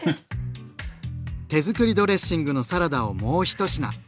手づくりドレッシングのサラダをもう一品。